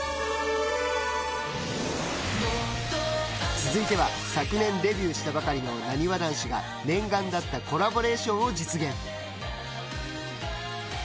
続いては昨年デビューしたばかりのなにわ男子が念願だったコラボレーションを実現。